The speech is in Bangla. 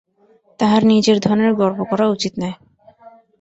তাঁহার নিজের ধনের গর্ব করা উচিত নয়।